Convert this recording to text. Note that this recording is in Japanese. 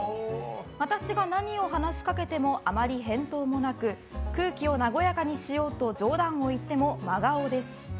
私が何を話しかけてもあまり返答もなく空気を和やかにしようと冗談を言っても真顔です。